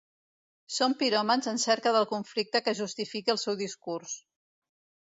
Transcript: Són piròmans en cerca del conflicte que justifiqui el seu discurs.